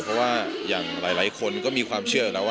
เพราะว่าอย่างหลายคนก็มีความเชื่อ